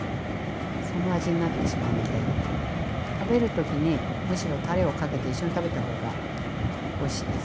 その味になってしまうので食べる時にむしろたれをかけて一緒に食べた方がおいしいです。